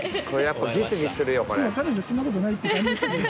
［ギスギスするよこれ］